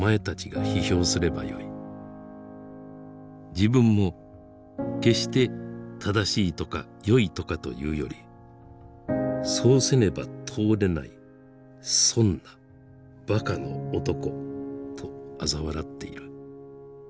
「自分も決して正しいとか良いとかと言うよりそうせねば通れない損な馬鹿の男とあざ笑っている」。